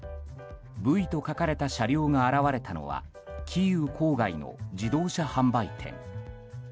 Ｖと書かれた車両が現れたのはキーウ郊外の自動車販売店。